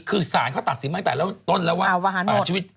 คือสารเขาตัดสินตั้งแต่ต้นแล้วว่าประหารชีวิต